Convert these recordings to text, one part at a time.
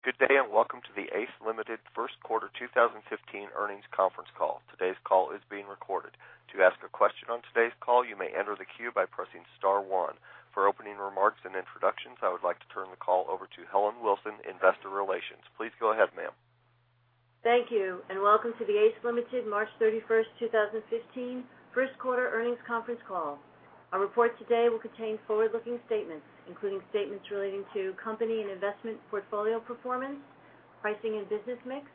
Good day. Welcome to the ACE Limited first quarter 2015 earnings conference call. Today's call is being recorded. To ask a question on today's call, you may enter the queue by pressing star one. For opening remarks and introductions, I would like to turn the call over to Susan Spivak, investor relations. Please go ahead, ma'am. Thank you. Welcome to the ACE Limited March 31st, 2015 first quarter earnings conference call. Our report today will contain forward-looking statements, including statements relating to company and investment portfolio performance, pricing and business mix,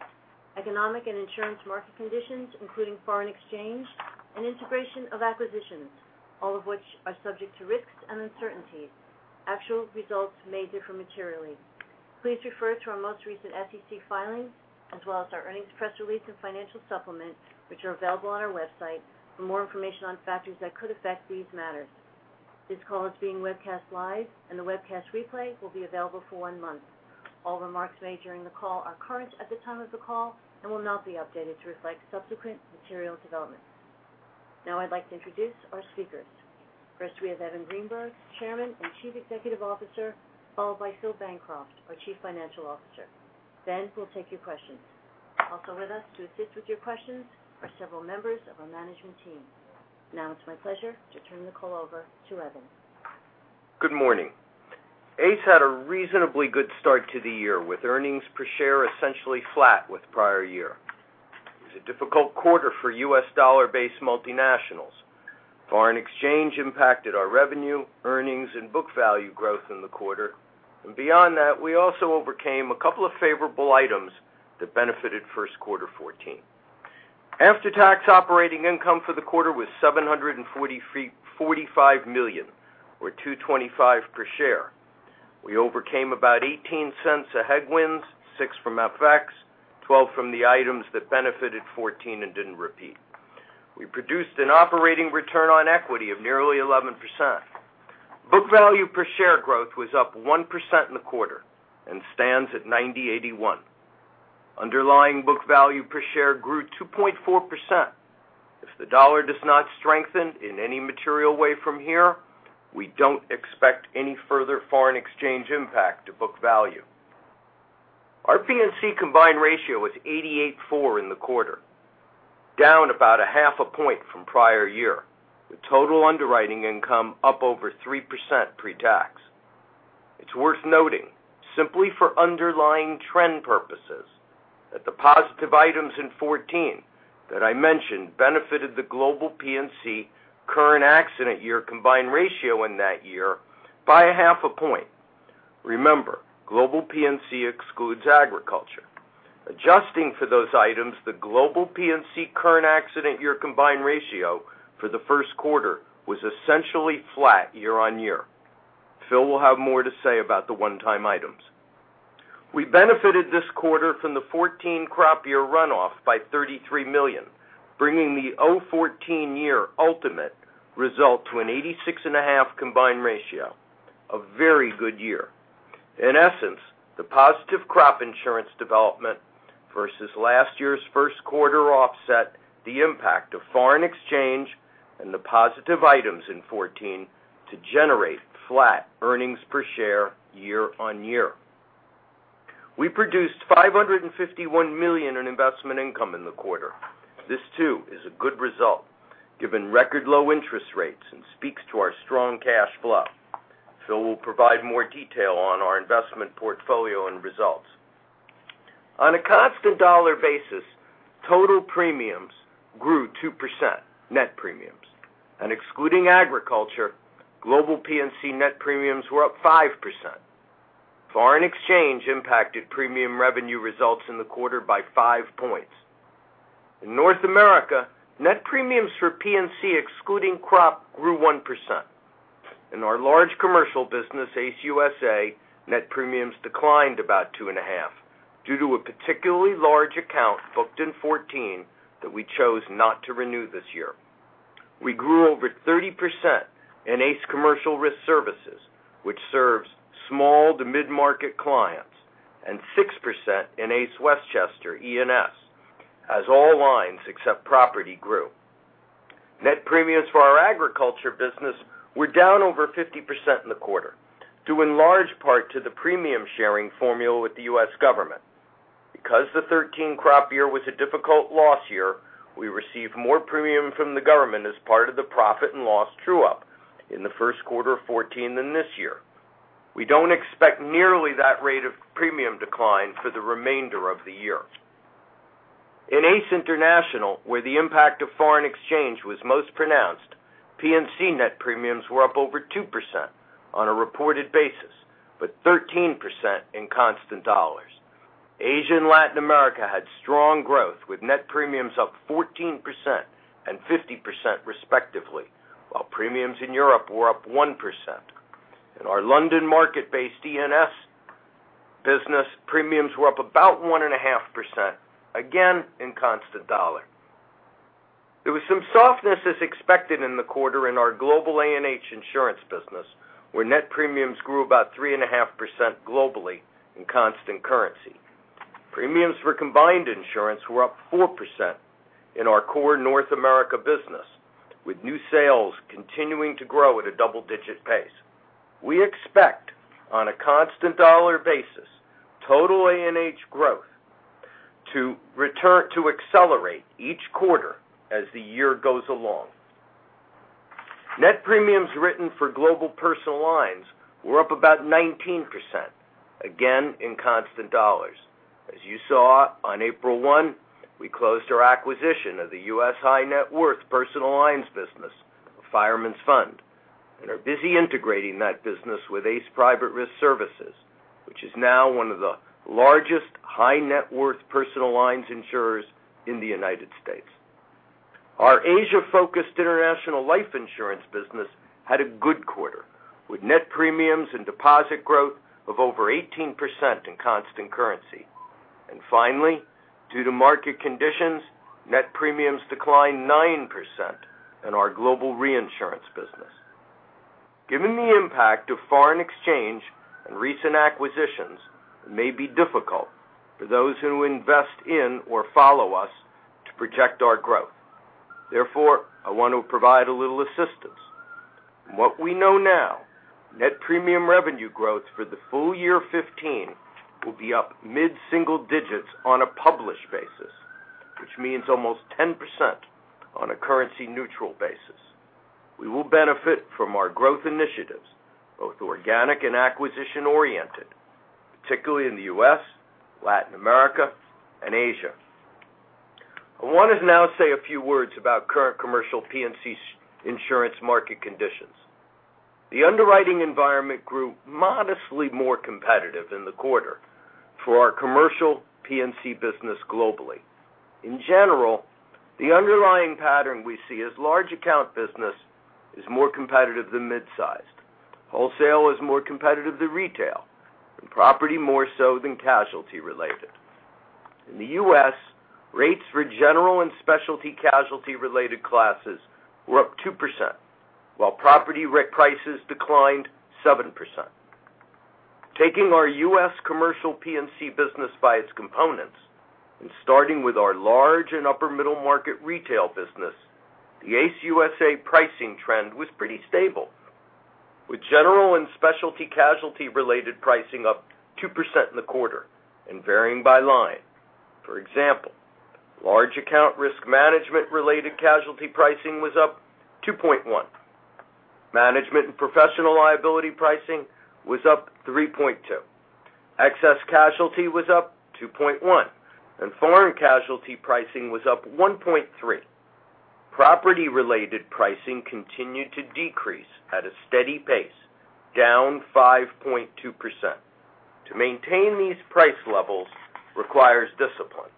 economic and insurance market conditions, including foreign exchange and integration of acquisitions, all of which are subject to risks and uncertainties. Actual results may differ materially. Please refer to our most recent SEC filings, as well as our earnings press release and financial supplement, which are available on our website for more information on factors that could affect these matters. This call is being webcast live and the webcast replay will be available for one month. All remarks made during the call are current at the time of the call and will not be updated to reflect subsequent material developments. I'd like to introduce our speakers. First, we have Evan Greenberg, chairman and chief executive officer, followed by Phil Bancroft, our chief financial officer. We'll take your questions. Also with us to assist with your questions are several members of our management team. It's my pleasure to turn the call over to Evan. Good morning. ACE had a reasonably good start to the year, with earnings per share essentially flat with prior year. It's a difficult quarter for U.S. dollar based multinationals. Foreign exchange impacted our revenue, earnings, and book value growth in the quarter. Beyond that, we also overcame a couple of favorable items that benefited first quarter 2014. After-tax operating income for the quarter was $745 million, or $2.25 per share. We overcame about $0.18 of headwinds, six from FX, 12 from the items that benefited 2014 and didn't repeat. We produced an operating return on equity of nearly 11%. Book value per share growth was up 1% in the quarter and stands at $98.01. Underlying book value per share grew 2.4%. If the dollar does not strengthen in any material way from here, we don't expect any further foreign exchange impact to book value. Our P&C combined ratio was 88.4 in the quarter, down about a half a point from prior year, with total underwriting income up over 3% pre-tax. It's worth noting, simply for underlying trend purposes, that the positive items in 2014 that I mentioned benefited the global P&C current accident year combined ratio in that year by a half a point. Remember, global P&C excludes agriculture. Adjusting for those items, the global P&C current accident year combined ratio for the first quarter was essentially flat year-on-year. Phil will have more to say about the one-time items. We benefited this quarter from the 2014 crop year runoff by $33 million, bringing the 2014 year ultimate result to an 86.5 combined ratio. A very good year. In essence, the positive crop insurance development versus last year's first quarter offset the impact of foreign exchange and the positive items in 2014 to generate flat earnings per share year-on-year. We produced $551 million in investment income in the quarter. This too is a good result given record low interest rates and speaks to our strong cash flow. Phil will provide more detail on our investment portfolio and results. On a constant dollar basis, total premiums grew 2%, net premiums, and excluding agriculture, global P&C net premiums were up 5%. Foreign exchange impacted premium revenue results in the quarter by five points. In North America, net premiums for P&C excluding crop grew 1%. In our large commercial business, ACE USA, net premiums declined about two and a half due to a particularly large account booked in 2014 that we chose not to renew this year. We grew over 30% in ACE Commercial Risk Services, which serves small to mid-market clients, and 6% in ACE Westchester E&S, as all lines except property grew. Net premiums for our agriculture business were down over 50% in the quarter, due in large part to the premium sharing formula with the U.S. government. Because the 2013 crop year was a difficult loss year, we received more premium from the government as part of the profit and loss true-up in the first quarter of 2014 than this year. We don't expect nearly that rate of premium decline for the remainder of the year. In ACE International, where the impact of foreign exchange was most pronounced, P&C net premiums were up over 2% on a reported basis, but 13% in constant dollars. Asia and Latin America had strong growth, with net premiums up 14% and 50% respectively, while premiums in Europe were up 1%. In our London market-based E&S business, premiums were up about 1.5%, again in constant dollar. There was some softness as expected in the quarter in our global A&H insurance business, where net premiums grew about 3.5% globally in constant currency. Premiums for Combined Insurance were up 4% in our core North America business, with new sales continuing to grow at a double-digit pace. We expect, on a constant dollar basis, total A&H growth to accelerate each quarter as the year goes along. Net premiums written for global personal lines were up about 19%, again, in constant dollars. As you saw, on April 1, we closed our acquisition of the U.S. High Net Worth personal lines business, Fireman's Fund, and are busy integrating that business with ACE Private Risk Services, which is now one of the largest high net worth personal lines insurers in the United States. Our Asia-focused international life insurance business had a good quarter, with net premiums and deposit growth of over 18% in constant currency. Finally, due to market conditions, net premiums declined 9% in our global reinsurance business. Given the impact of foreign exchange and recent acquisitions, it may be difficult for those who invest in or follow us to project our growth. Therefore, I want to provide a little assistance. From what we know now, net premium revenue growth for the full year 2015 will be up mid-single digits on a published basis, which means almost 10% on a currency-neutral basis. We will benefit from our growth initiatives, both organic and acquisition-oriented, particularly in the U.S., Latin America, and Asia. I want to now say a few words about current commercial P&C insurance market conditions. The underwriting environment grew modestly more competitive in the quarter for our commercial P&C business globally. In general, the underlying pattern we see is large account business is more competitive than mid-sized. Wholesale is more competitive than retail, and property more so than casualty related. In the U.S., rates for general and specialty casualty-related classes were up 2%, while property prices declined 7%. Taking our U.S. commercial P&C business by its components and starting with our large and upper middle market retail business, the ACE USA pricing trend was pretty stable, with general and specialty casualty-related pricing up 2% in the quarter and varying by line. For example, large account risk management related casualty pricing was up 2.1%. Management and professional liability pricing was up 3.2%. Excess casualty was up 2.1%, and foreign casualty pricing was up 1.3%. Property-related pricing continued to decrease at a steady pace, down 5.2%. To maintain these price levels requires discipline.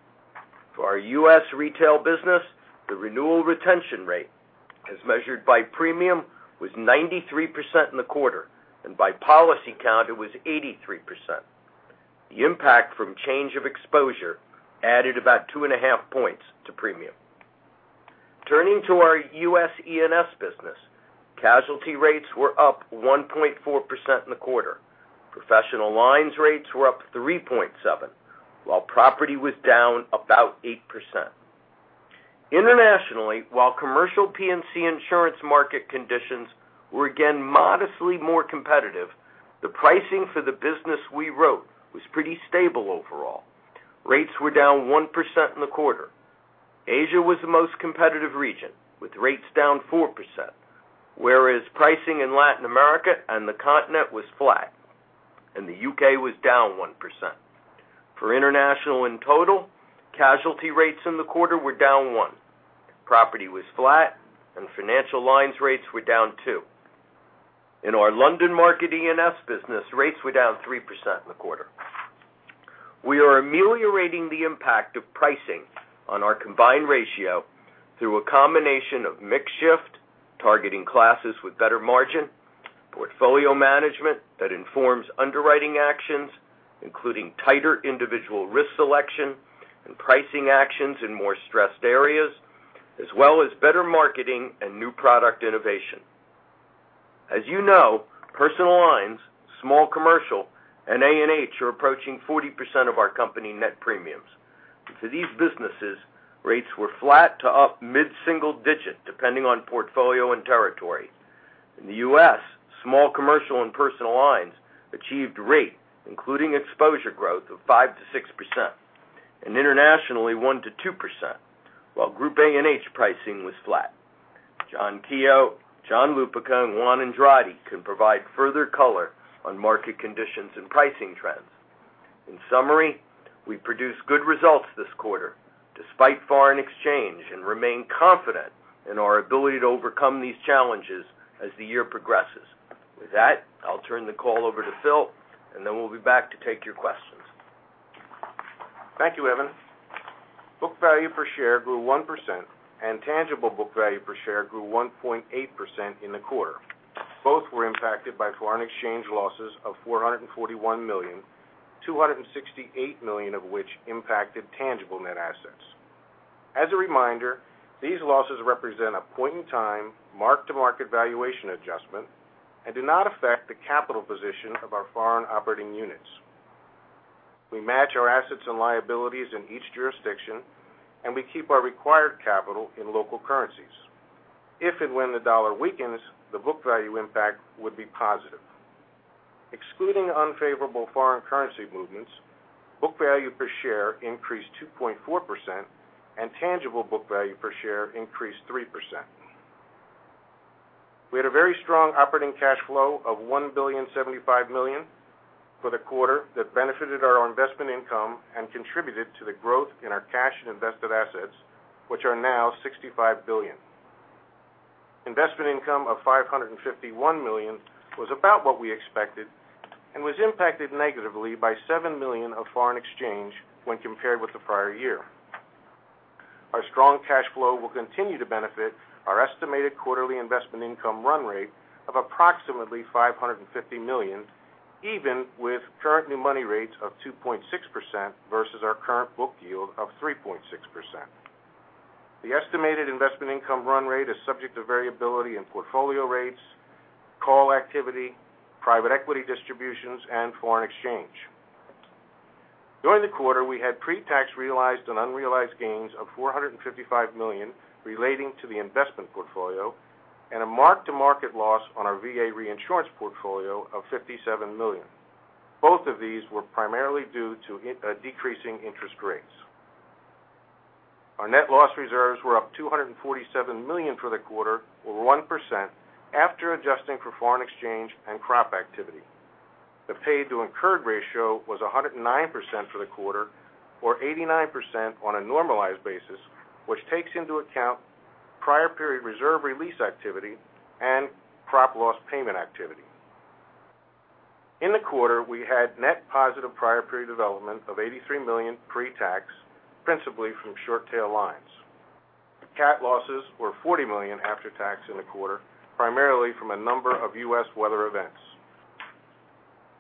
For our U.S. retail business, the renewal retention rate, as measured by premium, was 93% in the quarter, and by policy count, it was 83%. The impact from change of exposure added about two and a half points to premium. Turning to our U.S. E&S business, casualty rates were up 1.4% in the quarter. Professional lines rates were up 3.7%, while property was down about 8%. Internationally, while commercial P&C insurance market conditions were again modestly more competitive, the pricing for the business we wrote was pretty stable overall. Rates were down 1% in the quarter. Asia was the most competitive region, with rates down 4%, whereas pricing in Latin America and the continent was flat, and the U.K. was down 1%. For international in total, casualty rates in the quarter were down 1%. Property was flat, and financial lines rates were down 2%. In our London market E&S business, rates were down 3% in the quarter. We are ameliorating the impact of pricing on our combined ratio through a combination of mix shift, targeting classes with better margin, portfolio management that informs underwriting actions, including tighter individual risk selection and pricing actions in more stressed areas, as well as better marketing and new product innovation. As you know, personal lines, small commercial, and A&H are approaching 40% of our company net premiums. For these businesses, rates were flat to up mid-single digit, depending on portfolio and territory. In the U.S., small commercial and personal lines achieved rate, including exposure growth of 5%-6%, and internationally, 1%-2%, while group A&H pricing was flat. John Keogh, John Lupica, and Juan Andrade can provide further color on market conditions and pricing trends. In summary, we produced good results this quarter despite foreign exchange and remain confident in our ability to overcome these challenges as the year progresses. With that, I'll turn the call over to Phil. Then we'll be back to take your questions. Thank you, Evan. Book value per share grew 1%, and tangible book value per share grew 1.8% in the quarter. Both were impacted by foreign exchange losses of $441 million, $268 million of which impacted tangible net assets. As a reminder, these losses represent a point-in-time, mark-to-market valuation adjustment and do not affect the capital position of our foreign operating units. We match our assets and liabilities in each jurisdiction. We keep our required capital in local currencies. If and when the dollar weakens, the book value impact would be positive. Excluding unfavorable foreign currency movements, book value per share increased 2.4%, and tangible book value per share increased 3%. We had a very strong operating cash flow of $1.075 billion for the quarter that benefited our investment income and contributed to the growth in our cash and invested assets, which are now $65 billion. Investment income of $551 million was about what we expected and was impacted negatively by $7 million of foreign exchange when compared with the prior year. Our strong cash flow will continue to benefit our estimated quarterly investment income run rate of approximately $550 million, even with current new money rates of 2.6% versus our current book yield of 3.6%. The estimated investment income run rate is subject to variability in portfolio rates, call activity, private equity distributions, and foreign exchange. During the quarter, we had pre-tax realized and unrealized gains of $455 million relating to the investment portfolio and a mark-to-market loss on our VA reinsurance portfolio of $57 million. Both of these were primarily due to decreasing interest rates. Our net loss reserves were up $247 million for the quarter, or 1%, after adjusting for foreign exchange and crop activity. The paid to incurred ratio was 109% for the quarter, or 89% on a normalized basis, which takes into account prior period reserve release activity and crop loss payment activity. In the quarter, we had net positive prior period development of $83 million pre-tax, principally from short tail lines. Cat losses were $40 million after tax in the quarter, primarily from a number of U.S. weather events.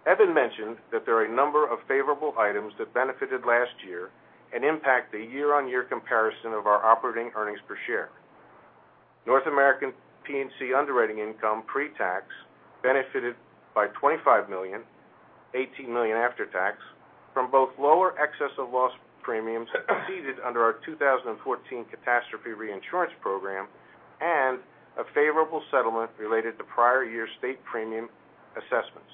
Evan mentioned that there are a number of favorable items that benefited last year and impact the year-over-year comparison of our operating earnings per share. North American P&C underwriting income pre-tax benefited by $25 million, $18 million after tax, from both lower excess of loss premiums ceded under our 2014 catastrophe reinsurance program and a favorable settlement related to prior year state premium assessments.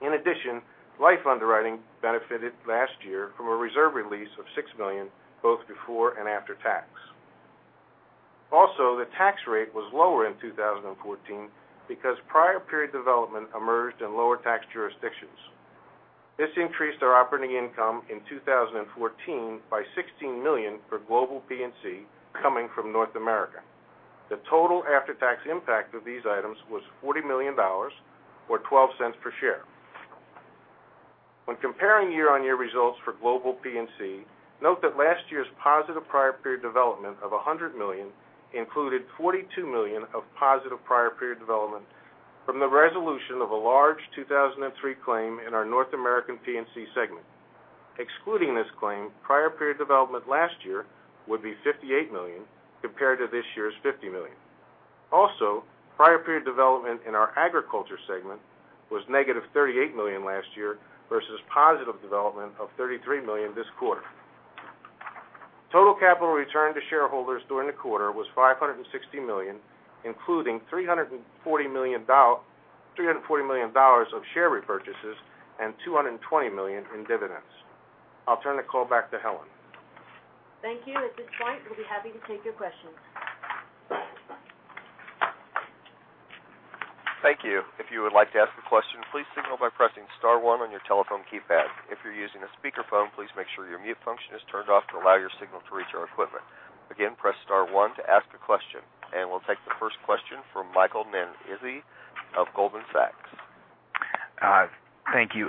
In addition, life underwriting benefited last year from a reserve release of $6 million, both before and after tax. The tax rate was lower in 2014 because prior period development emerged in lower tax jurisdictions. This increased our operating income in 2014 by $16 million for global P&C coming from North America. The total after-tax impact of these items was $40 million, or $0.12 per share. When comparing year-on-year results for global P&C, note that last year's positive prior period development of $100 million included $42 million of positive prior period development from the resolution of a large 2003 claim in our North American P&C segment. Excluding this claim, prior period development last year would be $58 million, compared to this year's $50 million. Prior period development in our agriculture segment was negative $38 million last year versus positive development of $33 million this quarter. Total capital returned to shareholders during the quarter was $560 million, including $340 million of share repurchases and $220 million in dividends. I'll turn the call back to Susan. Thank you. At this point, we'll be happy to take your questions. Thank you. If you would like to ask a question, please signal by pressing star one on your telephone keypad. If you're using a speakerphone, please make sure your mute function is turned off to allow your signal to reach our equipment. Again, press star one to ask a question. We'll take the first question from Michael Nannizzi of Goldman Sachs. Thank you.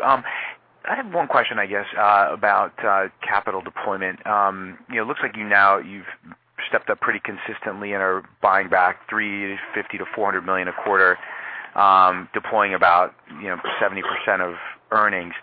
I have one question, I guess, about capital deployment. It looks like you've stepped up pretty consistently and are buying back $350 million-$400 million a quarter, deploying about 70% of earnings.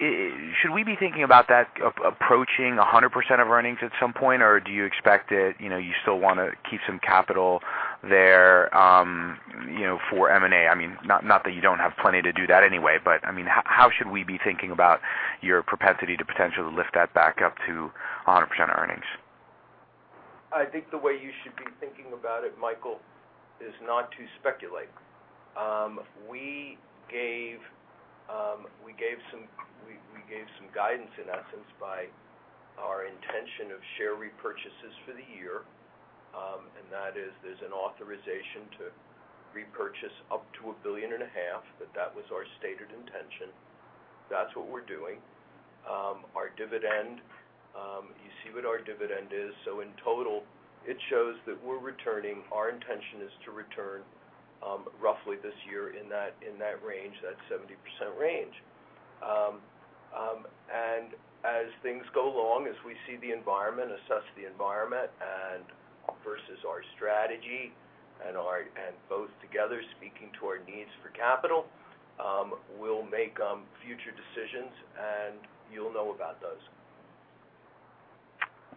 Should we be thinking about that approaching 100% of earnings at some point, or do you expect that you still want to keep some capital there for M&A? Not that you don't have plenty to do that anyway, but how should we be thinking about your propensity to potentially lift that back up to 100% earnings? I think the way you should be thinking about it, Michael, is not to speculate. We gave some guidance, in essence, by our intention of share repurchases for the year, that is there's an authorization to repurchase up to a billion and a half, that was our stated intention. That's what we're doing. Our dividend, you see what our dividend is. In total, it shows that our intention is to return roughly this year in that 70% range. As things go along, as we see the environment, assess the environment and Is our strategy and both together speaking to our needs for capital. We'll make future decisions, you'll know about those.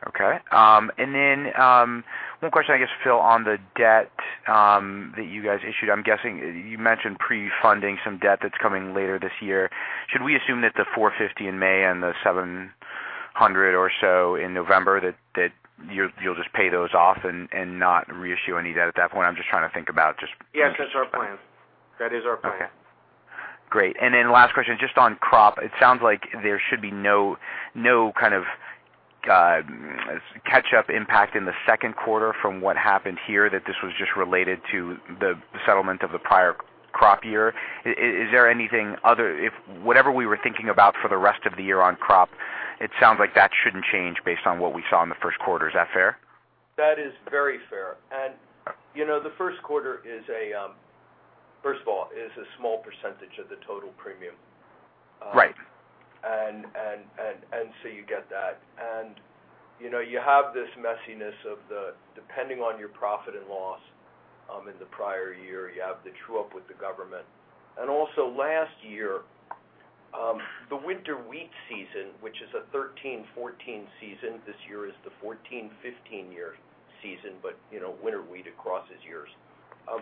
Okay. Then one question, I guess, Phil, on the debt that you guys issued. I'm guessing you mentioned pre-funding some debt that's coming later this year. Should we assume that the $450 in May and the $700 or so in November, that you'll just pay those off and not reissue any debt at that point? I'm just trying to think about. Yes, that's our plan. That is our plan. Okay. Great. Last question, just on crop. It sounds like there should be no catch-up impact in the second quarter from what happened here, that this was just related to the settlement of the prior crop year. Is there anything other, if whatever we were thinking about for the rest of the year on crop, it sounds like that shouldn't change based on what we saw in the first quarter. Is that fair? That is very fair. The first quarter, first of all, is a small percentage of the total premium. Right. You get that. You have this messiness of the, depending on your profit and loss in the prior year, you have the true-up with the government. Also last year, the winter wheat season, which is a 2013-2014 season. This year is the 2014-2015 season, but winter wheat, it crosses years.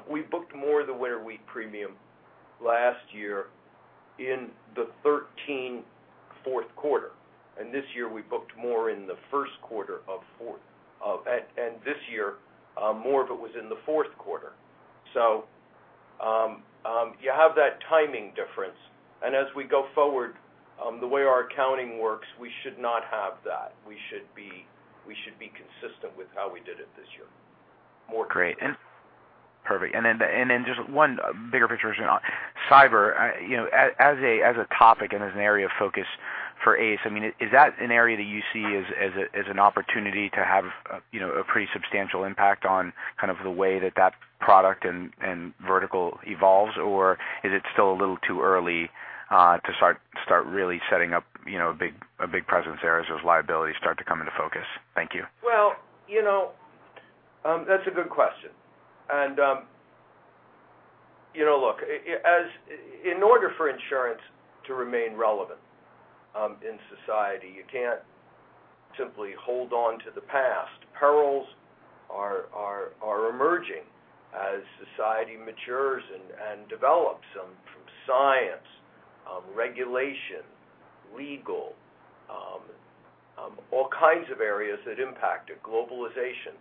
We booked more of the winter wheat premium last year in the 2013 fourth quarter, and this year, more of it was in the fourth quarter. You have that timing difference. As we go forward, the way our accounting works, we should not have that. We should be consistent with how we did it this year. More consistent. Great. Perfect. Then just one bigger picture on cyber, as a topic and as an area of focus for ACE, is that an area that you see as an opportunity to have a pretty substantial impact on the way that product and vertical evolves? Or is it still a little too early to start really setting up a big presence there as those liabilities start to come into focus? Thank you. Well, that's a good question. Look, in order for insurance to remain relevant in society, you can't simply hold on to the past. Perils are emerging as society matures and develops from science, regulation, legal, all kinds of areas that impact it, globalization.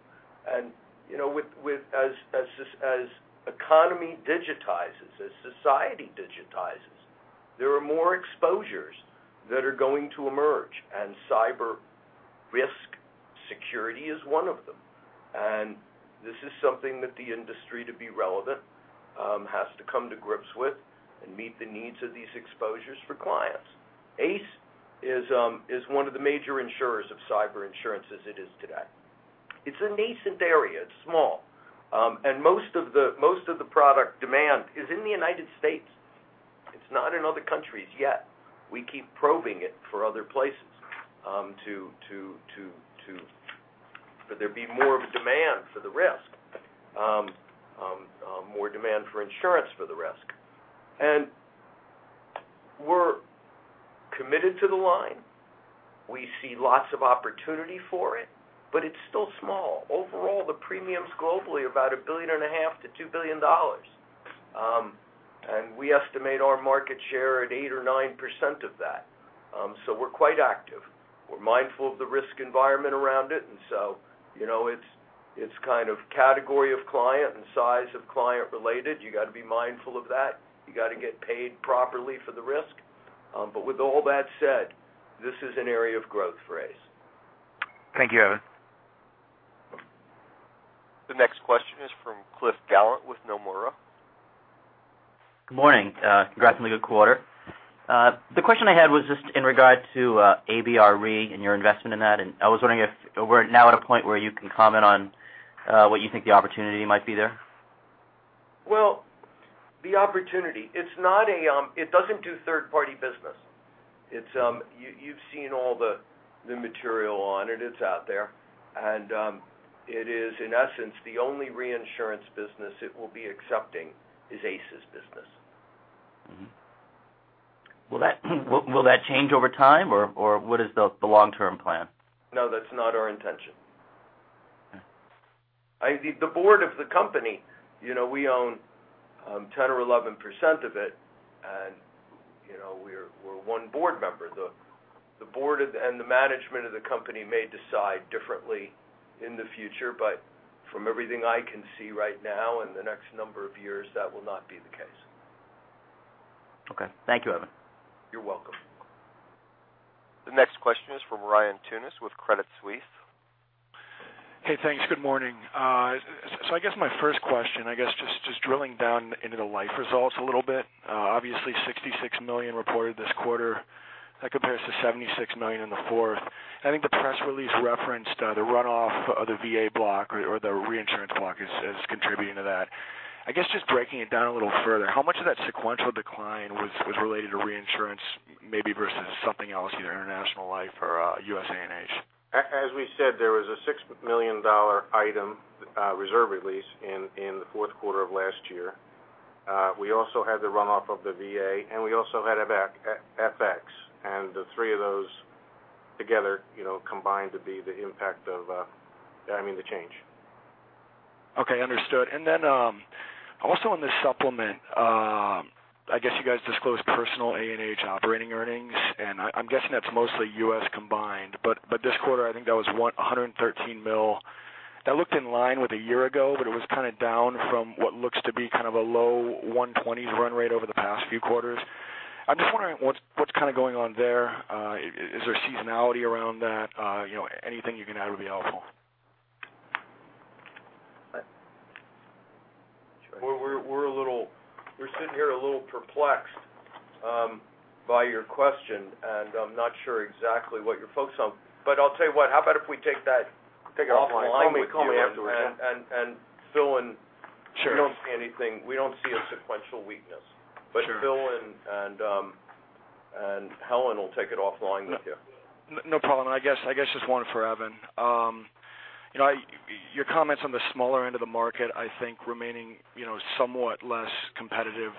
As economy digitizes, as society digitizes, there are more exposures that are going to emerge. Cyber risk security is one of them. This is something that the industry, to be relevant, has to come to grips with and meet the needs of these exposures for clients. ACE is one of the major insurers of cyber insurance as it is today. It's a nascent area. It's small. Most of the product demand is in the United States. It's not in other countries yet. We keep probing it for other places for there be more of a demand for the risk, more demand for insurance for the risk. We're committed to the line. We see lots of opportunity for it, but it's still small. Overall, the premiums globally are about a billion and a half to $2 billion. We estimate our market share at 8% or 9% of that. We're quite active. We're mindful of the risk environment around it, so it's kind of category of client and size of client related. You got to be mindful of that. You got to get paid properly for the risk. With all that said, this is an area of growth for ACE. Thank you, Evan. The next question is from Cliff Gallant with Nomura. Good morning. Congrats on the good quarter. The question I had was just in regard to ABR Re and your investment in that, and I was wondering if we're now at a point where you can comment on what you think the opportunity might be there. Well, the opportunity, it doesn't do third-party business. You've seen all the material on it. It's out there. It is, in essence, the only reinsurance business it will be accepting is ACE's business. Will that change over time, or what is the long-term plan? No, that's not our intention. Okay. The board of the company, we own 10% or 11% of it, and we're one board member. The board and the management of the company may decide differently in the future, but from everything I can see right now, in the next number of years, that will not be the case. Okay. Thank you, Evan. You're welcome. The next question is from Ryan Tunis with Credit Suisse. Hey, thanks. Good morning. I guess my first question, just drilling down into the life results a little bit. Obviously, $66 million reported this quarter. That compares to $76 million in the fourth. I think the press release referenced the runoff of the VA block or the reinsurance block as contributing to that. I guess just breaking it down a little further, how much of that sequential decline was related to reinsurance, maybe versus something else, either international life or US A&H? As we said, there was a $6 million item reserve release in the fourth quarter of last year. We also had the runoff of the VA, and we also had FX. The three of those together combine to be, I mean, the change. Okay. Understood. Then also in the supplement, I guess you guys disclosed personal A&H operating earnings, and I'm guessing that's mostly U.S. combined, but this quarter, I think that was $113 million. That looked in line with a year ago, but it was kind of down from what looks to be kind of a low $120 run rate over the past few quarters. I'm just wondering what's kind of going on there. Is there seasonality around that? Anything you can add would be helpful. We're sitting here a little perplexed by your question. I'm not sure exactly what you're focused on. I'll tell you what, how about if we take that offline? Take it offline. Call me afterwards. Yeah. Call me. Sure. We don't see anything. We don't see a sequential weakness. Sure. Phil and Helen will take it offline with you. No problem. I guess just one for Evan. Your comments on the smaller end of the market, I think remaining somewhat less competitive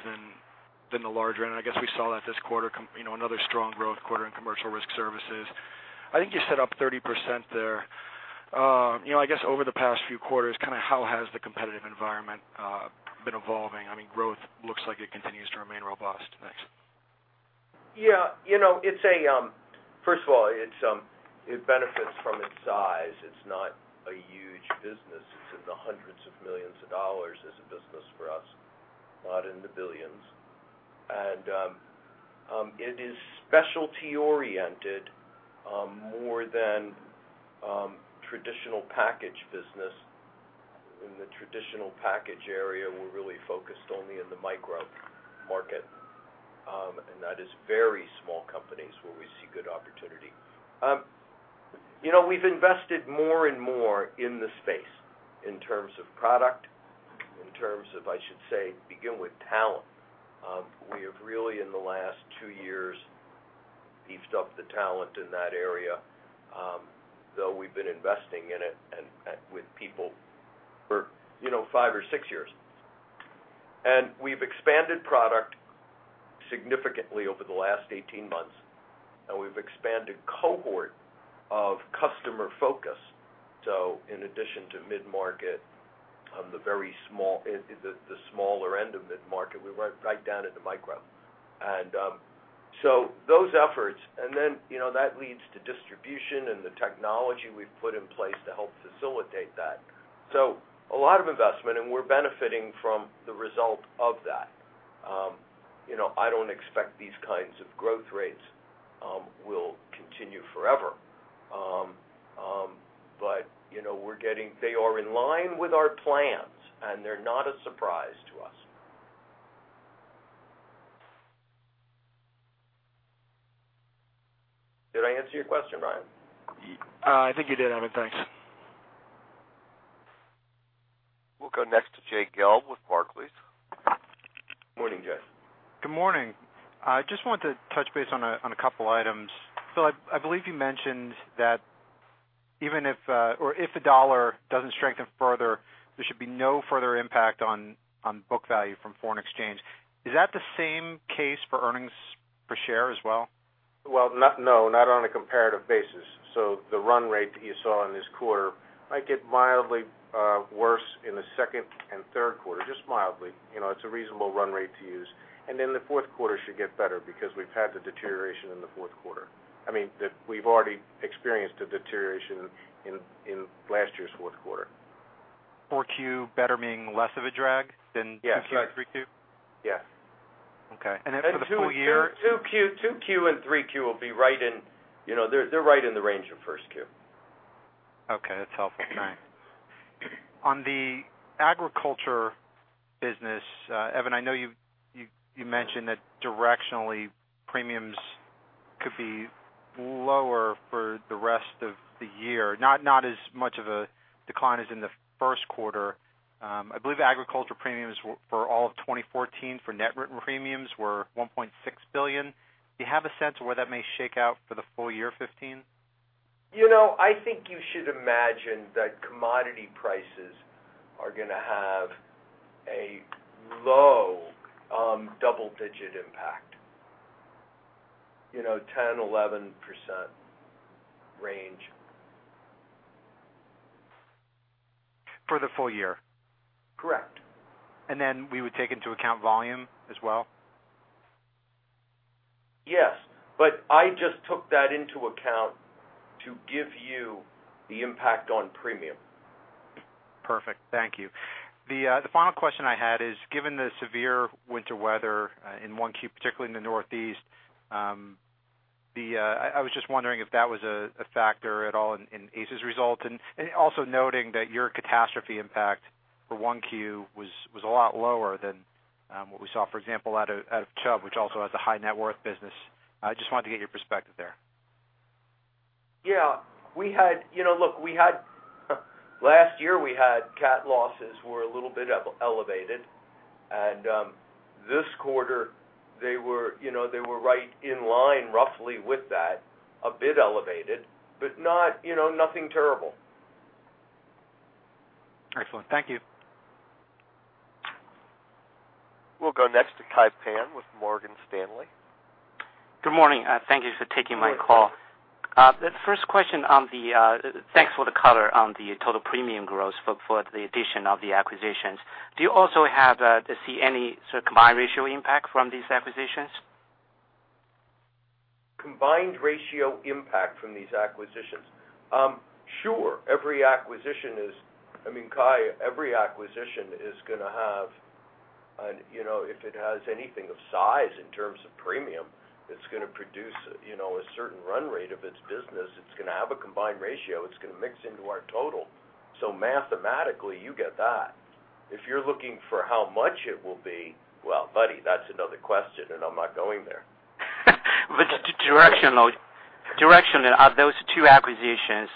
than the larger end. I guess we saw that this quarter, another strong growth quarter in commercial risk services. I think you said up 30% there. I guess over the past few quarters, how has the competitive environment been evolving? Growth looks like it continues to remain robust. Thanks. First of all, it benefits from its size. It's not a huge business. It's in the hundreds of millions of dollars as a business for us, not in the billions. It is specialty oriented more than traditional package business. In the traditional package area, we're really focused only in the micro market, and that is very small companies where we see good opportunity. We've invested more and more in the space in terms of product, in terms of talent. We have really, in the last 2 years, beefed up the talent in that area, though we've been investing in it and with people for 5 or 6 years. We've expanded product significantly over the last 18 months, and we've expanded cohort of customer focus. In addition to mid-market, the smaller end of mid-market, we went right down into micro. Those efforts, and then that leads to distribution and the technology we've put in place to help facilitate that. A lot of investment, and we're benefiting from the result of that. I don't expect these kinds of growth rates will continue forever. They are in line with our plans, and they're not a surprise to us. Did I answer your question, Brian? I think you did, Evan. Thanks. We'll go next to Jay Gelb with Barclays. Morning, Jay. Good morning. I just wanted to touch base on a couple items. Phil, I believe you mentioned that if the dollar doesn't strengthen further, there should be no further impact on book value from foreign exchange. Is that the same case for earnings per share as well? Well, no, not on a comparative basis. The run rate that you saw in this quarter might get mildly worse in the second and third quarter. Just mildly. It's a reasonable run rate to use. The fourth quarter should get better because we've had the deterioration in the fourth quarter. I mean, we've already experienced a deterioration in last year's fourth quarter. 4Q better meaning less of a drag than Yeah. 2Q and 3Q? Yes. Okay. For the full year 2Q and 3Q will be right in the range of 1Q. Okay. That's helpful. Thanks. On the agriculture business, Evan, I know you mentioned that directionally premiums could be lower for the rest of the year, not as much of a decline as in the first quarter. I believe agriculture premiums for all of 2014 for net written premiums were $1.6 billion. Do you have a sense of where that may shake out for the full year 2015? I think you should imagine that commodity prices are going to have a low double-digit impact. 10%-11% range. For the full year? Correct. Then we would take into account volume as well? Yes. I just took that into account to give you the impact on premium. Perfect. Thank you. The final question I had is, given the severe winter weather in 1Q, particularly in the Northeast, I was just wondering if that was a factor at all in ACE's result, and also noting that your catastrophe impact for 1Q was a lot lower than what we saw, for example, out of Chubb, which also has a high net worth business. I just wanted to get your perspective there. Yeah. Last year we had cat losses were a little bit elevated. This quarter, they were right in line roughly with that. A bit elevated, but nothing terrible. Excellent. Thank you. We'll go next to Kai Pan with Morgan Stanley. Good morning. Thank you for taking my call. Good morning. Thanks for the color on the total premium growth for the addition of the acquisitions. Do you also see any combined ratio impact from these acquisitions? Combined ratio impact from these acquisitions? Sure. Kai, every acquisition, if it has anything of size in terms of premium, it's going to produce a certain run rate of its business. It's going to have a combined ratio. It's going to mix into our total. Mathematically, you get that. If you're looking for how much it will be, well, buddy, that's another question, I'm not going there. Directionally, those two acquisitions,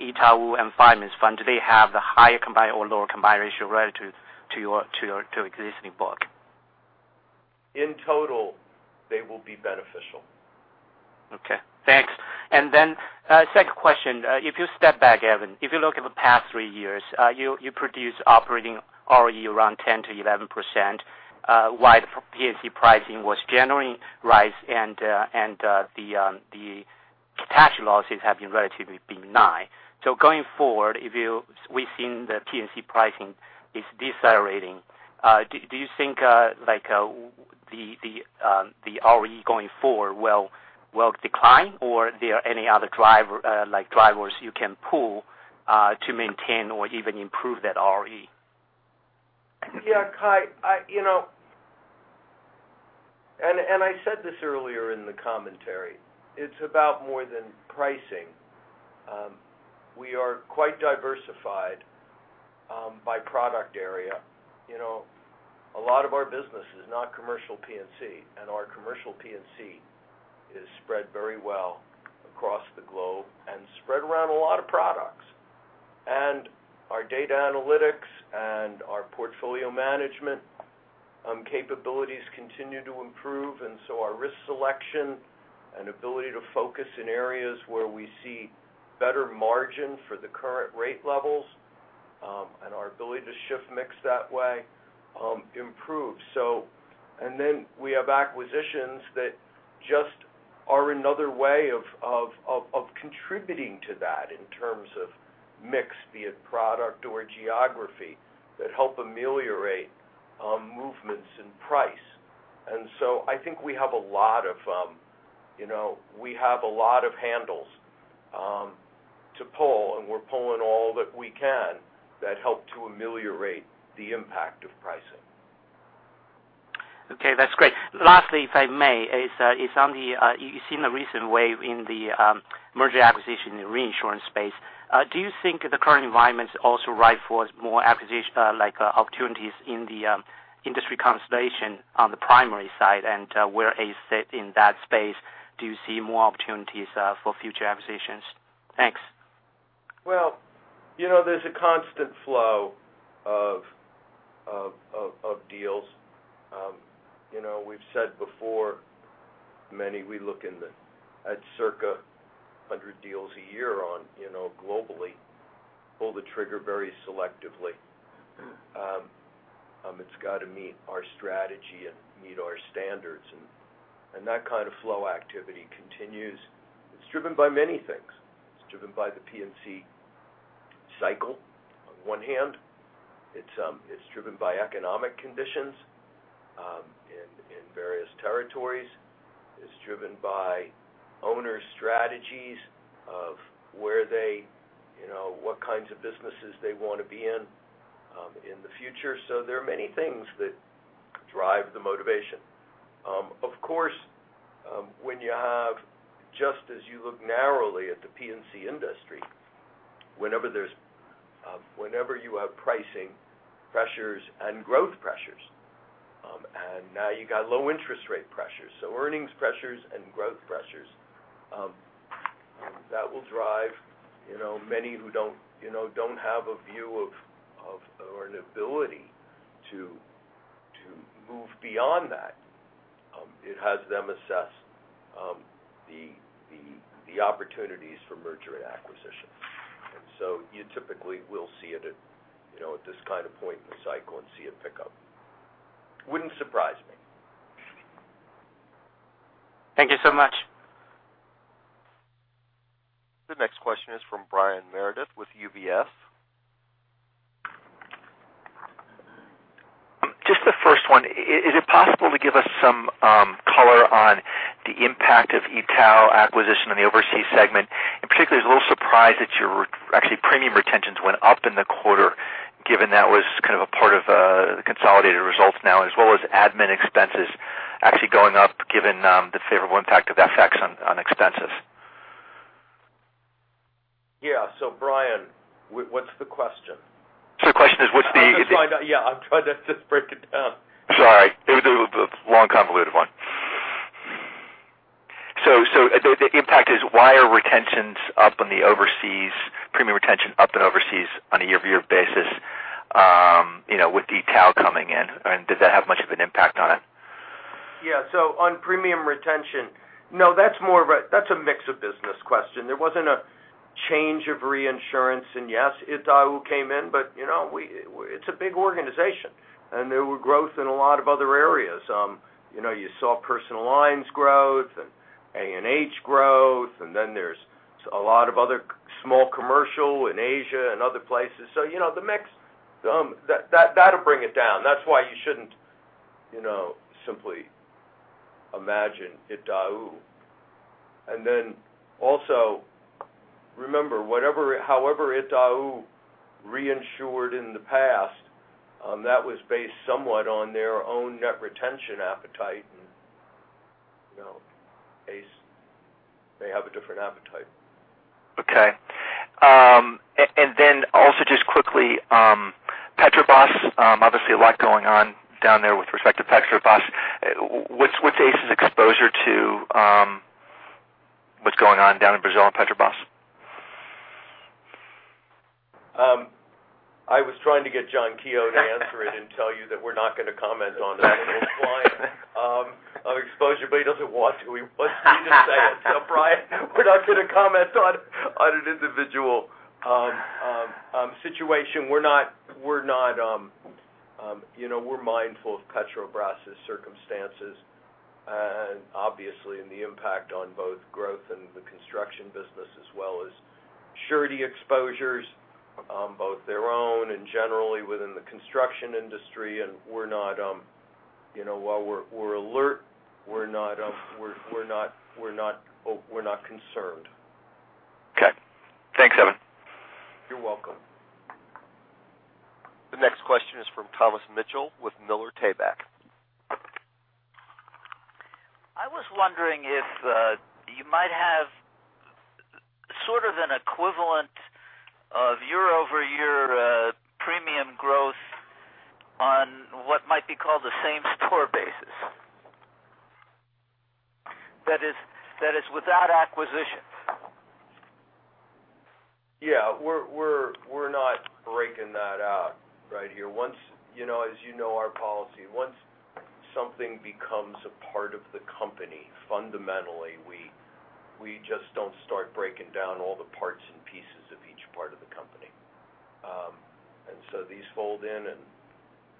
Itaú and Fireman's Fund, do they have the higher combined or lower combined ratio relative to your existing book? In total, they will be beneficial. Okay, thanks. Second question. If you step back, Evan, if you look at the past three years, you produce operating ROE around 10%-11%, while the P&C pricing was generally rising and the cat losses have been relatively benign. Going forward, we've seen the P&C pricing is decelerating. Do you think the ROE going forward will decline or there are any other drivers you can pull to maintain or even improve that ROE? Yeah, Kai. I said this earlier in the commentary. It's about more than pricing. We are quite diversified by product area. A lot of our business is not commercial P&C, and our commercial P&C is spread very well across the globe and spread around a lot of products. Our data analytics and our portfolio management capabilities continue to improve, so our risk selection and ability to focus in areas where we see better margin for the current rate levels, and our ability to shift mix that way, improve. Then we have acquisitions that just are another way of contributing to that in terms of mix, be it product or geography, that help ameliorate movements in price. I think we have a lot of handles to pull, and we're pulling all that we can that help to ameliorate the impact of pricing. Okay, that's great. Lastly, if I may, you've seen the recent wave in the merger acquisition in reinsurance space. Do you think the current environment's also ripe for more acquisition opportunities in the industry consolidation on the primary side? Where is fit in that space? Do you see more opportunities for future acquisitions? Thanks. Well, there's a constant flow of deals. We've said before, many, we look in the at circa 100 deals a year on globally, pull the trigger very selectively. It's got to meet our strategy and meet our standards, that kind of flow activity continues. It's driven by many things. It's driven by the P&C cycle, on one hand. It's driven by economic conditions in various territories. It's driven by owner strategies of what kinds of businesses they want to be in the future. There are many things that drive the motivation. Of course, just as you look narrowly at the P&C industry, whenever you have pricing pressures and growth pressures, now you got low interest rate pressures. Earnings pressures and growth pressures, that will drive many who don't have a view of or an ability to move beyond that. It has them assess the opportunities for merger and acquisition. You typically will see it at this kind of point in the cycle and see it pick up. Wouldn't surprise me. Thank you so much. The next question is from Brian Meredith with UBS. Just the first one. Is it possible to give us some color on the impact of Itaú acquisition on the overseas segment? In particular, I was a little surprised that your actually premium retentions went up in the quarter given that was kind of a part of the consolidated results now, as well as admin expenses actually going up given the favorable impact of FX on expenses. Yeah. Brian, what's the question? The question is, what's Yeah, I'm trying to just break it down The fact is, why are retentions up on the overseas, premium retention up and overseas on a year-over-year basis, with Itaú coming in? Does that have much of an impact on it? On premium retention, no, that's a mix of business question. There wasn't a change of reinsurance. Yes, Itaú came in, but it's a big organization, and there were growth in a lot of other areas. You saw personal lines growth and A&H growth, there's a lot of other small commercial in Asia and other places. That'll bring it down. That's why you shouldn't simply imagine Itaú. Also remember, however Itaú reinsured in the past, that was based somewhat on their own net retention appetite, and ACE, they have a different appetite. Okay. Also just quickly, Petrobras, obviously a lot going on down there with respect to Petrobras. What's ACE's exposure to what's going on down in Brazil and Petrobras? I was trying to get John Keogh to answer it and tell you that we're not going to comment on it. An old client of exposure, but he doesn't want to. He didn't say it. Ryan, we're not going to comment on an individual situation. We're mindful of Petrobras' circumstances, and obviously in the impact on both growth and the construction business, as well as surety exposures, both their own and generally within the construction industry. While we're alert, we're not concerned. Okay. Thanks, Evan. You're welcome. The next question is from Thomas Mitchell with Miller Tabak. I was wondering if you might have sort of an equivalent of year-over-year premium growth on what might be called the same store basis. That is without acquisitions. Yeah. We're not breaking that out right here. As you know our policy, once something becomes a part of the company, fundamentally, we just don't start breaking down all the parts and pieces of each part of the company. So these fold in and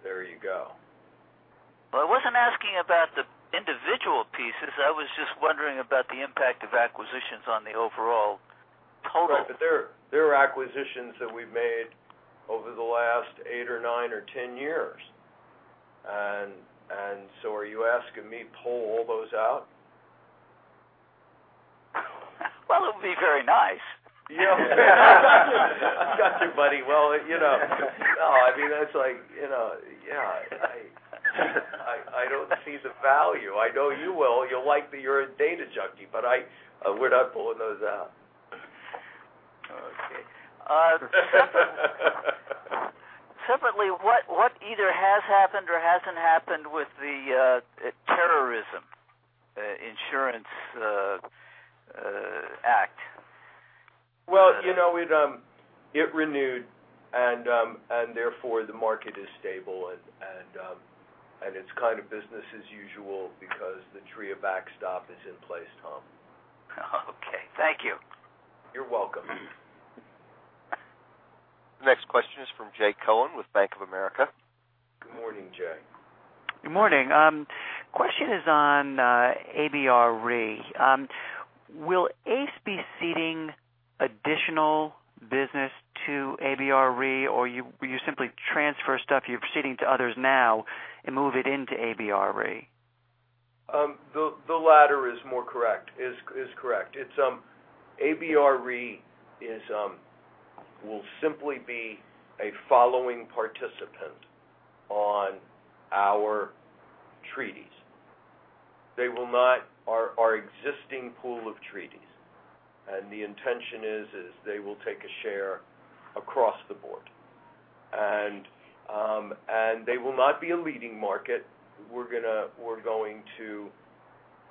there you go. I wasn't asking about the individual pieces. I was just wondering about the impact of acquisitions on the overall total. There are acquisitions that we've made over the last eight or nine or 10 years. Are you asking me pull all those out? It would be very nice. Got you, buddy. I mean, that's like, I don't see the value. I know you will. You'll like that you're a data junkie, but we're not pulling those out. Okay. Separately, what either has happened or hasn't happened with the Terrorism Risk Insurance Act? Well, it renewed and therefore the market is stable and it's kind of business as usual because the TRIA backstop is in place, Tom. Okay. Thank you. You're welcome. The next question is from Jay Cohen with Bank of America. Good morning, Jay. Good morning. Question is on ABR Re. Will ACE be ceding additional business to ABR Re, or you simply transfer stuff you're ceding to others now and move it into ABR Re? The latter is more correct, is correct. ABR Re will simply be a following participant on our treaties. Our existing pool of treaties. The intention is, they will take a share across the board. They will not be a leading market. We're going to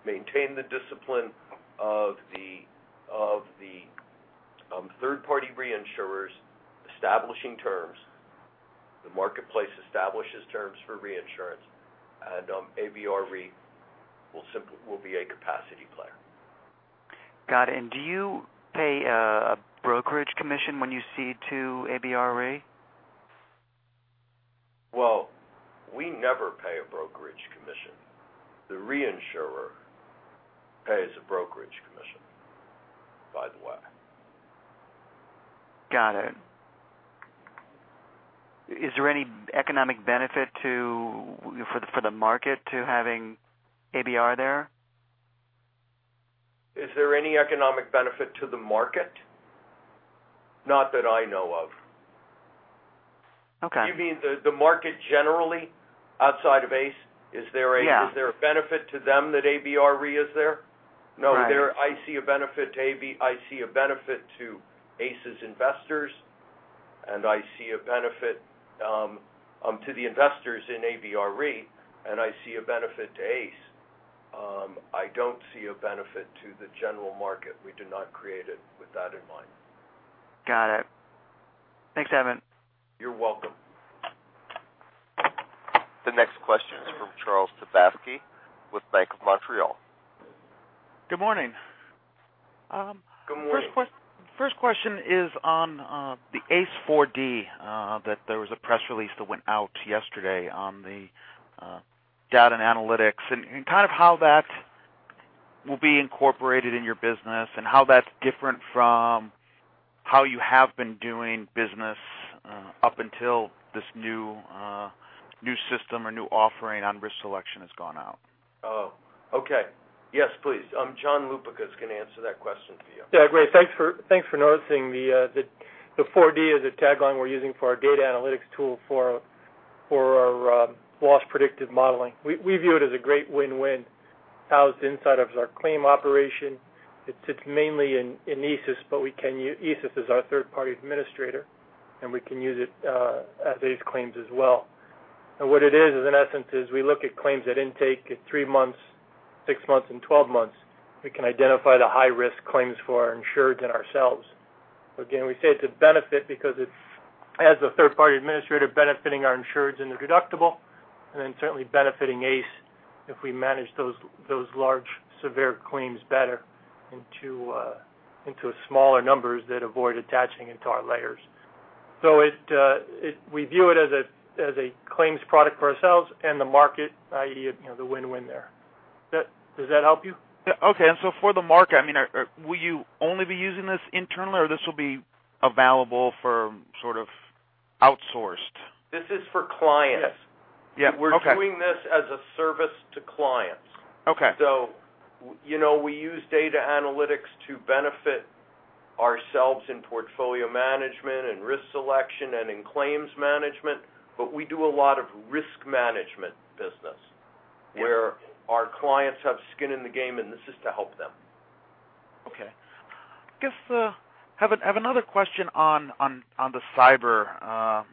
maintain the discipline of the third-party reinsurers establishing terms. The marketplace establishes terms for reinsurance, and ABR Re will be a capacity player. Got it. Do you pay a brokerage commission when you cede to ABR Re? Well, we never pay a brokerage commission. The reinsurer pays a brokerage commission, by the way. Got it. Is there any economic benefit for the market to having ABR there? Is there any economic benefit to the market? Not that I know of. Okay. You mean the market generally outside of ACE? Yeah. Is there a benefit to them that ABR Re is there? Right. No, I see a benefit to ACE's investors. I see a benefit to the investors in ABR Re, I see a benefit to ACE. I don't see a benefit to the general market. We did not create it with that in mind. Got it. Thanks, Evan. You're welcome. The next question is from Charles Sebaski with Bank of Montreal. Good morning. Good morning. First question is on the ACE 4D. There was a press release that went out yesterday on the data and analytics, kind of how that will be incorporated in your business, how that's different from how you have been doing business up until this new system or new offering on risk selection has gone out. Okay. Yes, please. John Lupica is going to answer that question for you. Great. Thanks for noticing. The 4D is a tagline we're using for our data analytics tool for our loss predictive modeling. We view it as a great win-win, housed inside of our claim operation. It sits mainly in ESIS, but we can use ESIS as our third-party administrator, we can use it as ACE claims as well. What it is, in essence, we look at claims at intake at three months, six months, and 12 months. We can identify the high risk claims for our insureds and ourselves. Again, we say it's a benefit because it's as a third-party administrator benefiting our insureds in their deductible, certainly benefiting ACE if we manage those large severe claims better into smaller numbers that avoid attaching into our layers. We view it as a claims product for ourselves and the market, i.e., the win-win there. Does that help you? Yeah. Okay. For the market, will you only be using this internally, or this will be available for sort of outsourced? This is for clients. Yeah. Okay. We're doing this as a service to clients. Okay. We use data analytics to benefit ourselves in portfolio management and risk selection and in claims management, but we do a lot of risk management business where our clients have skin in the game, and this is to help them. Okay. I guess I have another question on the cyber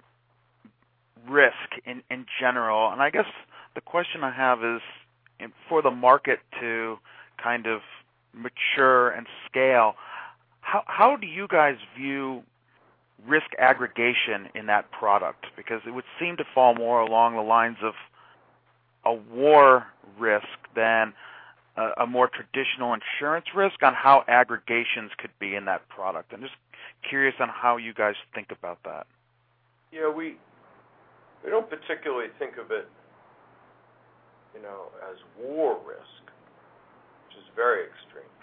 risk in general. I guess the question I have is for the market to kind of mature and scale, how do you guys view risk aggregation in that product? Because it would seem to fall more along the lines of a war risk than a more traditional insurance risk on how aggregations could be in that product. I'm just curious on how you guys think about that. Yeah, we don't particularly think of it as war risk, which is very extreme,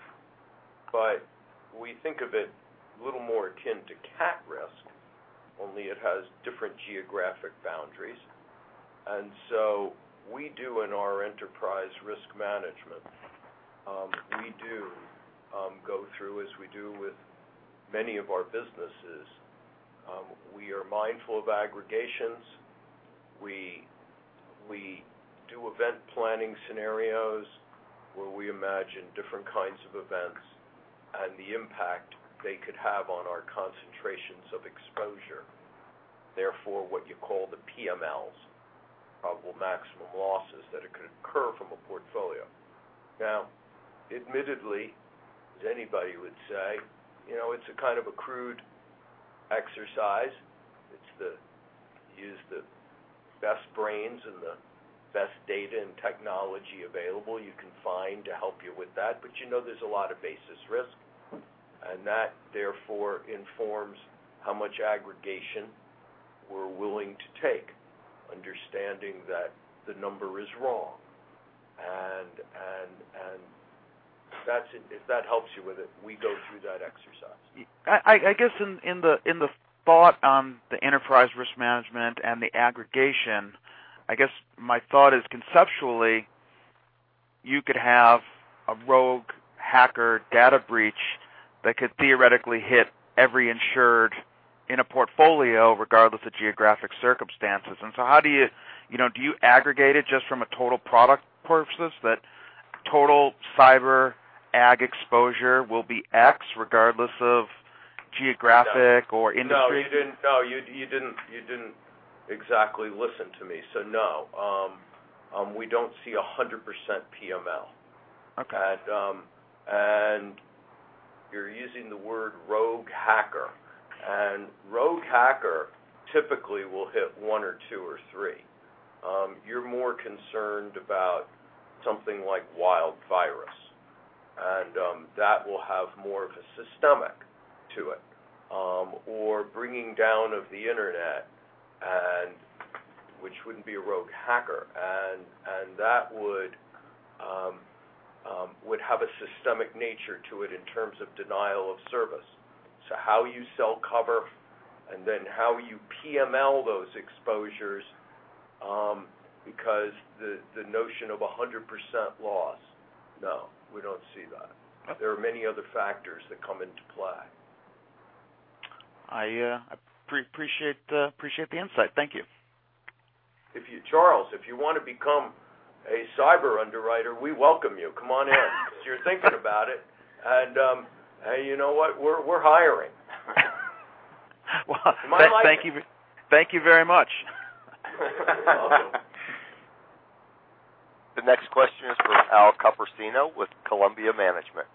but we think of it a little more akin to cat risk, only it has different geographic boundaries. We do in our enterprise risk management, we do go through as we do with many of our businesses. We are mindful of aggregations. We do event planning scenarios where we imagine different kinds of events and the impact they could have on our concentrations of exposure, therefore, what you call the PMLs, probable maximum losses that could occur from a portfolio. Now, admittedly, as anybody would say, it's a kind of a crude exercise. It's the use the best brains and the best data and technology available you can find to help you with that. You know there's a lot of basis risk, and that, therefore, informs how much aggregation we're willing to take, understanding that the number is wrong. If that helps you with it, we go through that exercise. I guess in the thought on the enterprise risk management and the aggregation, I guess my thought is conceptually, you could have a rogue hacker data breach that could theoretically hit every insured in a portfolio regardless of geographic circumstances. How do you aggregate it just from a total product purposes that total cyber ag exposure will be X regardless of geographic or industry? No, you didn't exactly listen to me. No, we don't see 100% PML. Okay. You're using the word rogue hacker, rogue hacker typically will hit one or two or three. You're more concerned about something like wild virus, that will have more of a systemic to it, or bringing down of the Internet, which wouldn't be a rogue hacker. That would have a systemic nature to it in terms of denial of service. How you sell cover and then how you PML those exposures because the notion of 100% loss, no, we don't see that. Okay. There are many other factors that come into play. I appreciate the insight. Thank you. Charles, if you want to become a cyber underwriter, we welcome you. Come on in. You're thinking about it, and you know what? We're hiring. Well, thank you very much. You're welcome. The next question is from Al Copersino with Columbia Management.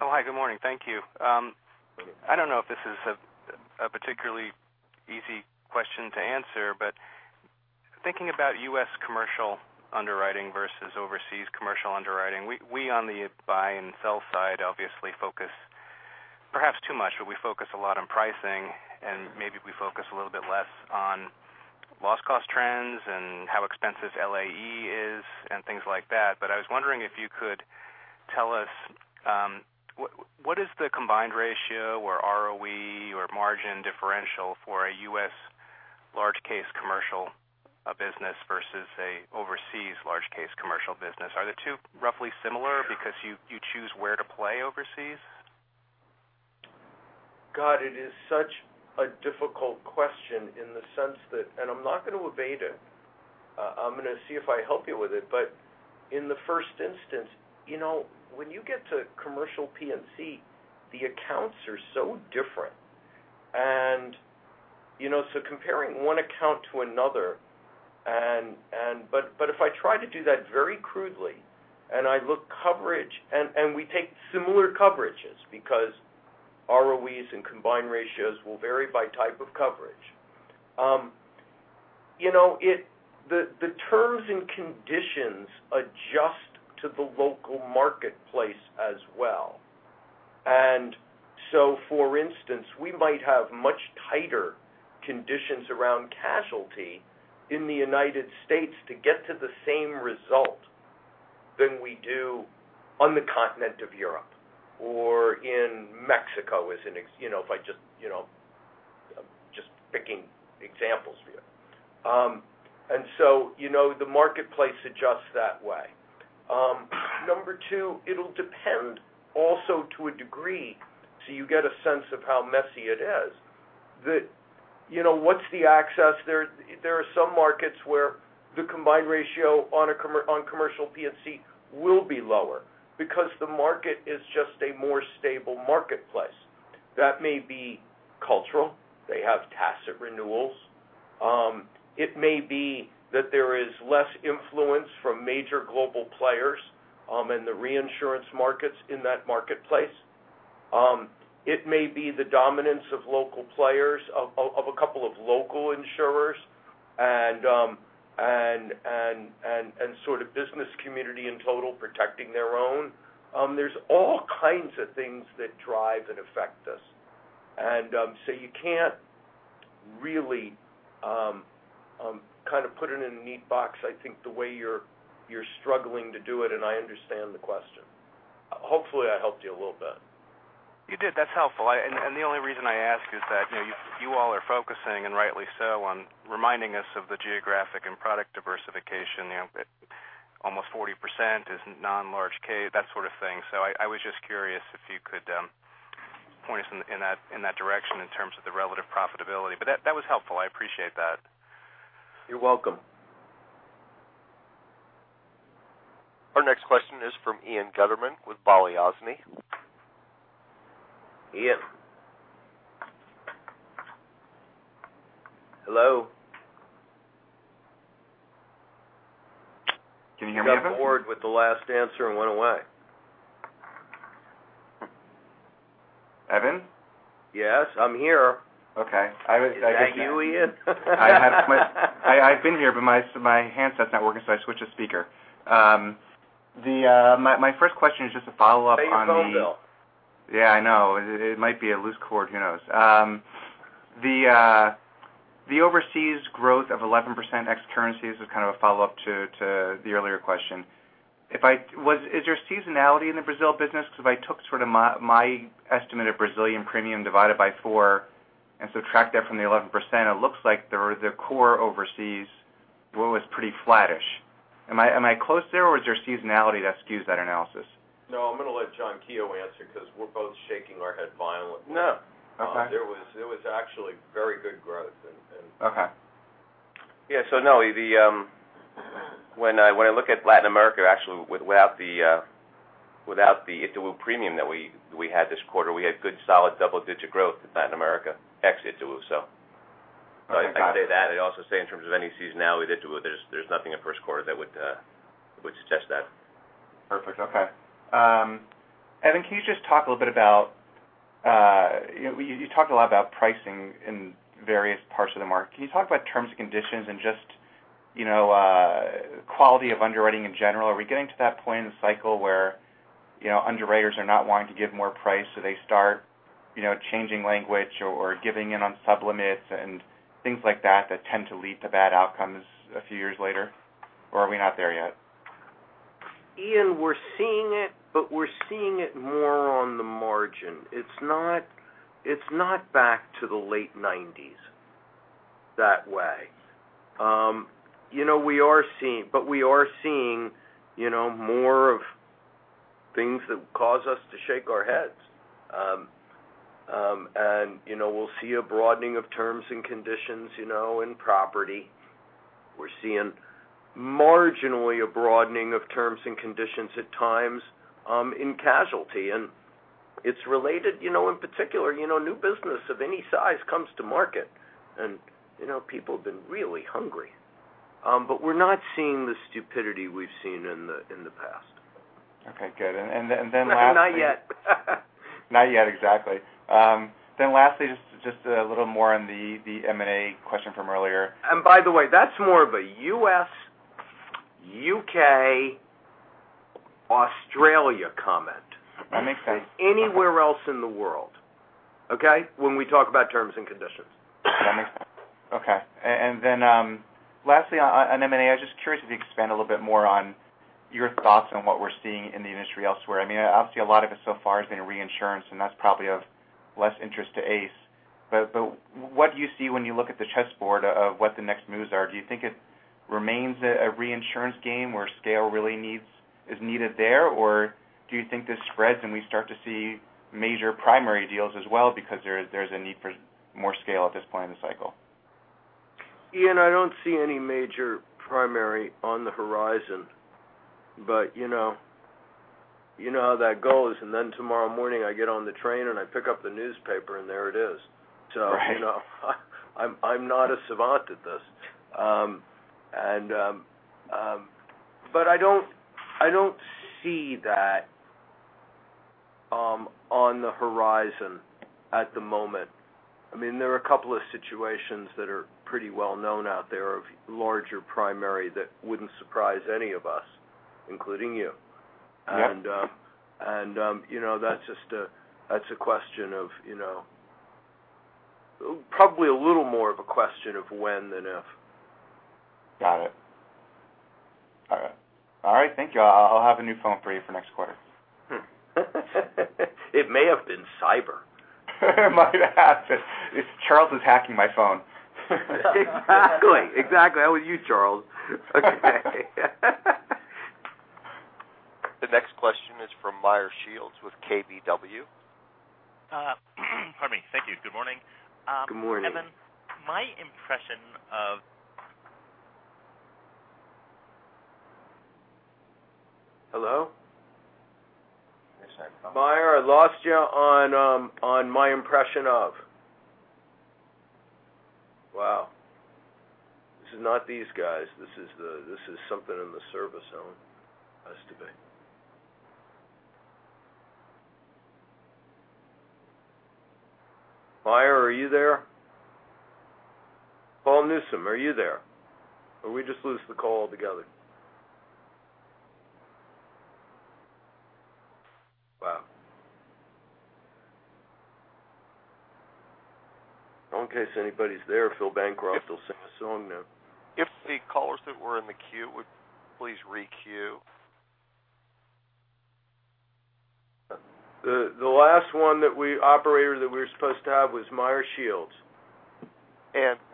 Hi. Good morning. Thank you. I don't know if this is a particularly easy question to answer, thinking about U.S. commercial underwriting versus overseas commercial underwriting, we on the buy and sell side obviously focus perhaps too much, we focus a lot on pricing, and maybe we focus a little bit less on loss cost trends and how expensive LAE is and things like that. I was wondering if you could tell us, what is the combined ratio or ROE or margin differential for a U.S. large case commercial business versus a overseas large case commercial business? Are the two roughly similar because you choose where to play overseas? God, it is such a difficult question in the sense that I'm not going to evade it. I'm going to see if I help you with it. In the first instance, when you get to commercial P&C, the accounts are so different. Comparing one account to another, but if I try to do that very crudely, I look coverage, and we take similar coverages because ROEs and combined ratios will vary by type of coverage. The terms and conditions adjust to the local marketplace as well. For instance, we might have much tighter conditions around casualty in the U.S. to get to the same result than we do on the continent of Europe or in Mexico, I'm just picking examples for you. The marketplace adjusts that way. Number 2, it'll depend also to a degree, so you get a sense of how messy it is, that what's the access. There are some markets where the combined ratio on commercial P&C will be lower because the market is just a more stable marketplace. That may be cultural. They have tacit renewals. It may be that there is less influence from major global players in the reinsurance markets in that marketplace. It may be the dominance of local players, of a couple of local insurers, and sort of business community in total protecting their own. There's all kinds of things that drive and affect us. You can't really kind of put it in a neat box, I think the way you're struggling to do it, and I understand the question. Hopefully, I helped you a little bit. You did. That's helpful. The only reason I ask is that you all are focusing, and rightly so, on reminding us of the geographic and product diversification. Almost 40% is non-large case, that sort of thing. I was just curious if you could point us in that direction in terms of the relative profitability. That was helpful. I appreciate that. You're welcome. Our next question is from Ian Gutterman with Balyasny Asset Management. Ian. Hello? Can you hear me, Evan? He got bored with the last answer and went away. Evan? Yes, I'm here. Okay. Is that you, Ian? I've been here, but my handset's not working, so I switched to speaker. My first question is just a follow-up on the- Pay your phone bill. Yeah, I know. It might be a loose cord, who knows? The overseas growth of 11% ex currencies is kind of a follow-up to the earlier question. Is there seasonality in the Brazil business? Because if I took my estimate of Brazilian premium divided by four and subtract that from the 11%, it looks like the core overseas was pretty flattish. Am I close there, or is there seasonality that skews that analysis? No, I'm going to let John Keogh answer because we're both shaking our head violently. No. Okay. There was actually very good growth. Okay. No, when I look at Latin America, actually, without the Itaú premium that we had this quarter, we had good solid double-digit growth in Latin America, ex Itaú. I can say that. I'd also say in terms of any seasonality to Itaú, there's nothing in first quarter that would suggest that. Perfect. Okay. Evan, you talked a lot about pricing in various parts of the market. Can you talk about terms and conditions and just quality of underwriting in general? Are we getting to that point in the cycle where underwriters are not wanting to give more price, so they start changing language or giving in on sub-limits and things like that that tend to lead to bad outcomes a few years later? Are we not there yet? Ian, we're seeing it, but we're seeing it more on the margin. It's not back to the late '90s that way. We are seeing more of things that cause us to shake our heads. We'll see a broadening of terms and conditions in property. We're seeing marginally a broadening of terms and conditions at times in casualty, and it's related, in particular, new business of any size comes to market, and people have been really hungry. We're not seeing the stupidity we've seen in the past. Okay, good. Then lastly- Not yet. Not yet, exactly. Lastly, just a little more on the M&A question from earlier. By the way, that's more of a U.S., U.K., Australia comment. That makes sense. Anywhere else in the world, okay? When we talk about terms and conditions. That makes sense. Okay. Lastly on M&A, I'm just curious if you could expand a little bit more on your thoughts on what we're seeing in the industry elsewhere. Obviously, a lot of it so far has been reinsurance, and that's probably of less interest to ACE. What do you see when you look at the chessboard of what the next moves are? Do you think it remains a reinsurance game where scale really is needed there? Or do you think this spreads, and we start to see major primary deals as well because there's a need for more scale at this point in the cycle? Ian, I don't see any major primary on the horizon, but you know how that goes, and then tomorrow morning I get on the train and I pick up the newspaper, and there it is. Right. I'm not a savant at this. I don't see that on the horizon at the moment. There are a couple of situations that are pretty well known out there of larger primary that wouldn't surprise any of us, including you. Yeah. that's probably a little more of a question of when than if. Got it. All right. Thank you. I'll have a new phone for you for next quarter. It may have been cyber. It might have been. Charles is hacking my phone. Exactly. That was you, Charles. Okay. The next question is from Meyer Shields with KBW. Pardon me. Thank you. Good morning. Good morning. Evan, my impression of Hello? I miss that phone. Meyer, I lost you on, "On my impression of." Wow. This is not these guys. This is something in the service zone. Has to be. Meyer, are you there? Paul Newsome, are you there? We just lose the call altogether? Wow. In case anybody's there, Phil Bancroft will sing a song now. If the callers that were in the queue would please re-queue. The last one, operator, that we were supposed to have was Meyer Shields.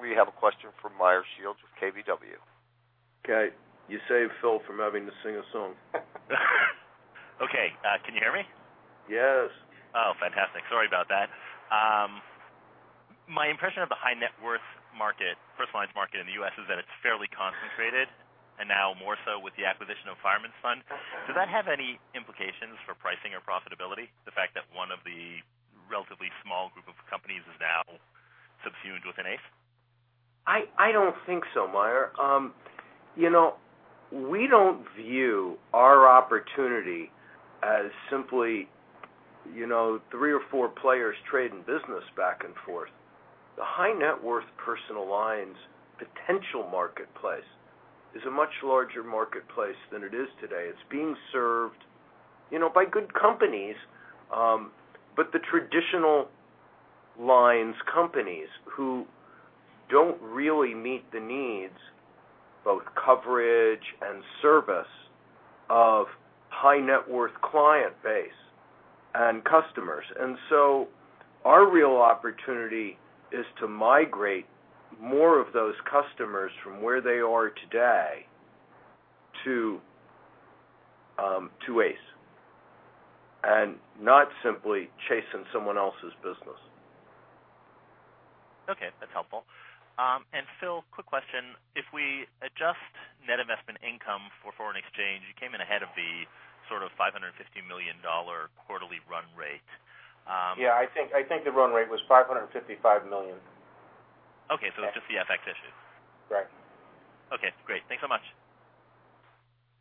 We have a question from Meyer Shields with KBW. Okay. You saved Phil from having to sing a song. Okay. Can you hear me? Yes. Oh, fantastic. Sorry about that. My impression of the high net worth market, personal lines market in the U.S. is that it's fairly concentrated, and now more so with the acquisition of Fireman's Fund. Does that have any implications for pricing or profitability, the fact that one of the relatively small group of companies is now subsumed within ACE? I don't think so, Meyer. We don't view our opportunity as simply three or four players trading business back and forth. The high net worth personal lines potential marketplace is a much larger marketplace than it is today. It's being served by good companies. The traditional lines companies who don't really meet the needs, both coverage and service, of high net worth client base and customers. Our real opportunity is to migrate more of those customers from where they are today to ACE, and not simply chasing someone else's business. Okay. That's helpful. Phil, quick question. If we adjust net investment income for foreign exchange, you came in ahead of the sort of $550 million quarterly run rate. Yeah, I think the run rate was $555 million. Okay, it's just the FX issue. Right. Okay, great. Thanks so much.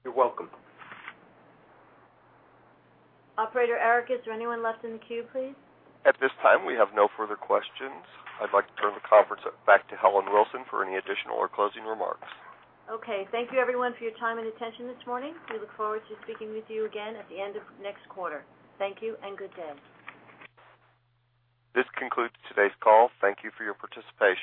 You're welcome. Operator Eric, is there anyone left in the queue, please? At this time, we have no further questions. I would like to turn the conference back to Susan Spivak for any additional or closing remarks. Okay. Thank you everyone for your time and attention this morning. We look forward to speaking with you again at the end of next quarter. Thank you and good day. This concludes today's call. Thank you for your participation.